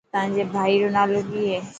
تانجي ڀائي رو نالو ڪي هي.